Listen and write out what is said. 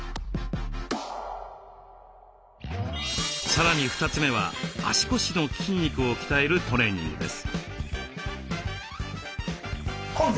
さらに２つ目は足腰の筋肉を鍛えるトレーニングです。